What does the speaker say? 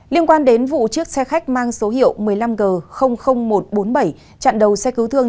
liên quan đến vụ chiếc xe khách mang số hiệu một mươi năm g một trăm bốn mươi bảy chặn đầu xe cứu thương